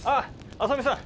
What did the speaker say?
浅見さん。